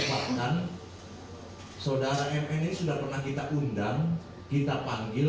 bahkan sodara mn ini sudah pernah kita undang